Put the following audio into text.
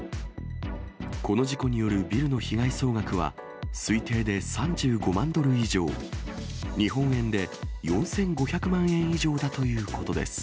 この事故によるビルの被害総額は、推定で３５万ドル以上、日本円で４５００万円以上だということです。